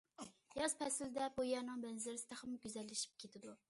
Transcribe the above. ياز پەسلىدە، بۇ يەرنىڭ مەنزىرىسى تېخىمۇ گۈزەللىشىپ كېتىدۇ.